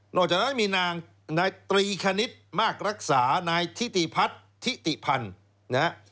นอกจากนั้นมีนายตรีคณิตมากรักษานายทิติพัฒน์ทิติพันธุ์